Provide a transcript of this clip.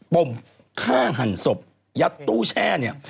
มฆ่าหันศพยัดตู้แช่เนี่ย